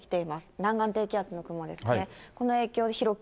南岸低気圧の雲ですね。